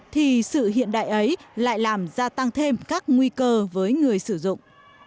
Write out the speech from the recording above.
thì sự hiện đại ấy lại làm gia tăng thêm các nguy cơ với người sử dụng